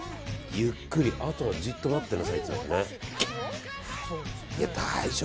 ゆっくり、あとはじっと待ってなさいってね。